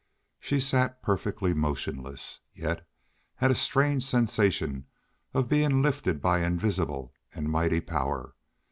She sat perfectly motionless, yet had a strange sensation of being lifted by invisible and mighty power.